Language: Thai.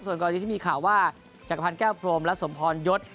ส่วนกรณีที่มีข่าวว่าจักรพันธ์แก้วพรมและสมพรยศ